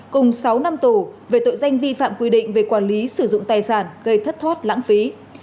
cùng sáu năm tù về tội danh vi phạm quy định về quản lý sử dụng tài sản gây thất thoát lãng phí